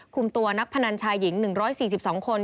คุมตัวนักพนันชายหญิง๑๔๒คน